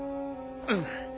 うん。